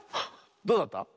どうだった？